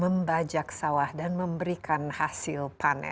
ini berbeda dengan tahun yang barusan kita lewati